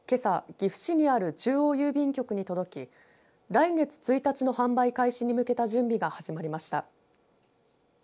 岐阜市にある中央郵便局に届き来月１日の販売開始に向けた準備が始まりました。